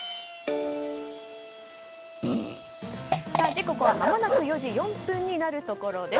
時刻はまもなく４時４分になるところです。